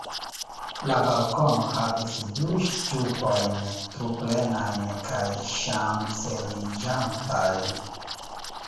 La balkono havis du ŝtupojn, truplenajn kaj ŝanceliĝantajn.